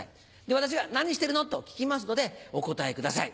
私が「何してるの？」と聞きますのでお答えください。